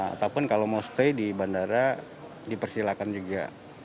ataupun kalau mau stay di bandara dipersilakan juga